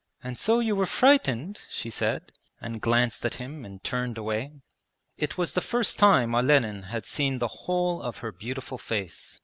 'And so you were frightened?' she said, and glanced at him and turned away. It was the first time Olenin had seen the whole of her beautiful face.